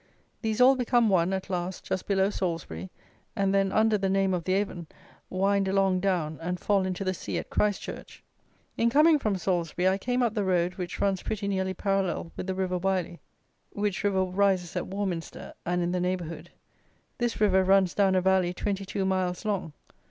These all become one, at last, just below Salisbury, and then, under the name of the Avon, wind along down and fall into the sea at Christchurch. In coming from Salisbury, I came up the road which runs pretty nearly parallel with the river Wyly, which river rises at Warminster and in the neighbourhood. This river runs down a valley twenty two miles long.